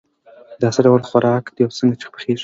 دا څه ډول خوراک ده او څنګه پخیږي